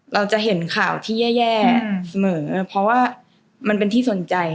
เราจะเห็นข่าวที่แย่เสมอเพราะว่ามันเป็นที่สนใจ